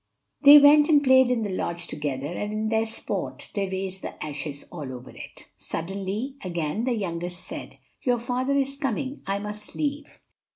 They went and played in the lodge together, and in their sport they raised the ashes all over it. Suddenly again the youngest said, "Your father is coming, I must leave."